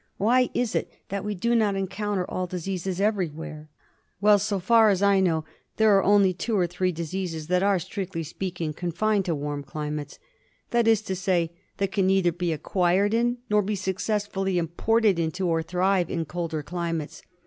Why is it that we do not encounter all diseases everywhere ? Well, so far as I know, there are only two or three diseases that are, strictly speaking, confined to warm climates, that is to say that can neither be acquired in, nor be successfully imported into, nor thrive in colder climates.